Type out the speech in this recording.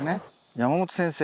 山本先生。